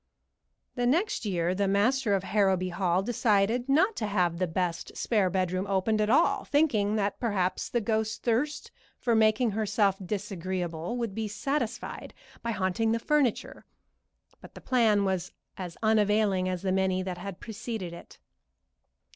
The next year the master of Harrowby Hall decided not to have the best spare bedroom opened at all, thinking that perhaps the ghost's thirst for making herself disagreeable would be satisfied by haunting the furniture, but the plan was as unavailing as the many that had preceded it.